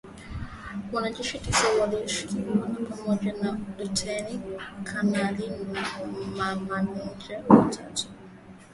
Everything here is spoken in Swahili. Wanajeshi tisa walioshtakiwa ni pamoja na lutein kanali na mameneja watatu.